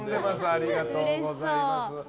ありがとうございます。